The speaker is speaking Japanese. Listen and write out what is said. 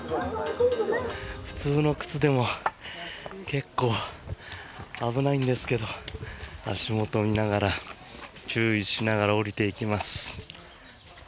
普通の靴でも結構危ないんですけど足元を見ながら、注意しながら下りていきます。